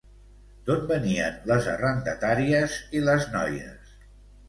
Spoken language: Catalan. D'on venien les arrendatàries i les noies?